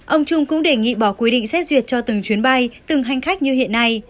ông trung cũng đề nghị bỏ quy định xét duyệt cho từng chuyến bay từng hành khách như hiện nay